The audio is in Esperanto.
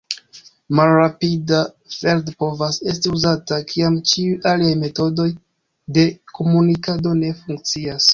Malrapida feld povas esti uzata, kiam ĉiuj aliaj metodoj de komunikado ne funkcias.